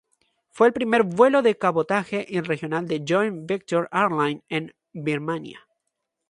Fue el primer vuelo de cabotaje y regional de Joint Venture Airline en Birmania.